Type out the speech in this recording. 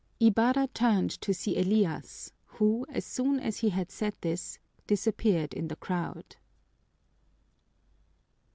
Ibarra turned to see Elias, who, as soon as he had said this, disappeared in the crowd.